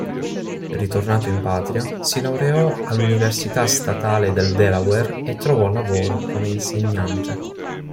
Ritornato in patria, si laureò all'Università statale del Delaware e trovò lavoro come insegnante.